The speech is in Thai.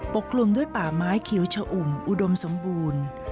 กลุ่มด้วยป่าไม้เขียวชะอุ่มอุดมสมบูรณ์